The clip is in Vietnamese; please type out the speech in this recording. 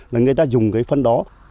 là người ta dùng cái phân đó